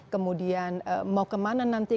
kemudian mau kemana nanti